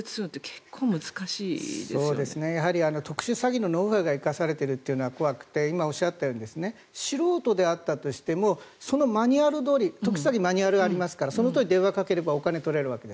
特殊詐欺のノウハウが生かされているのが怖くて今、おっしゃったように素人であったとしてもそのマニュアルどおり特殊詐欺はマニュアルありますからそのとおり動けばお金を取れるわけです。